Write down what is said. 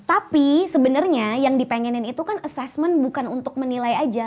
tapi sebenarnya yang dipengenin itu kan assessment bukan untuk menilai aja